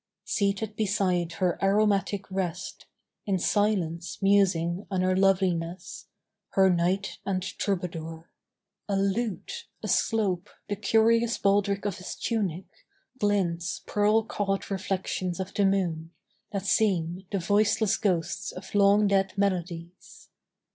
Seated beside her aromatic rest, In silence musing on her loveliness, Her knight and troubadour. A lute, aslope The curious baldric of his tunic, glints Pearl caught reflections of the moon, that seem The voiceless ghosts of long dead melodies.